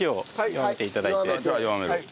弱める。